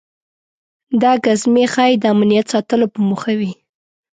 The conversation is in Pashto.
دا ګزمې ښایي د امنیت ساتلو په موخه وي.